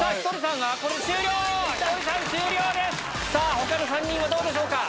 他の３人はどうでしょうか？